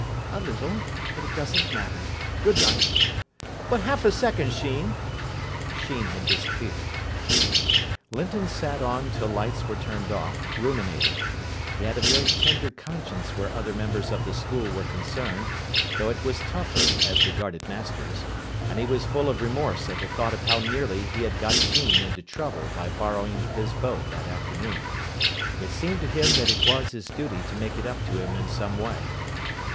"A little. But it doesn't matter. Good night." "But half a second, Sheen " Sheen had disappeared. Linton sat on till lights were turned off, ruminating. He had a very tender conscience where other members of the school were concerned, though it was tougher as regarded masters; and he was full of remorse at the thought of how nearly he had got Sheen into trouble by borrowing his boat that afternoon. It seemed to him that it was his duty to make it up to him in some way.